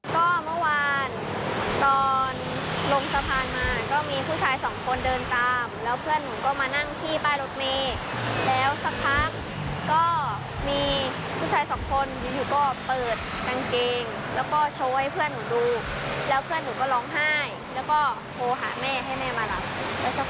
ก็เมื่อวานตอนลมสะพานมาก็มีผู้ชายสองคนเดินตามแล้วเพื่อนหนูก็มานั่งที่ป้ายรถเมฆ